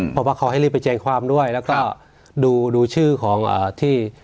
เพราะว่าเขาให้รีบไปแจ้งความด้วยแล้วก็ดูชื่อของที่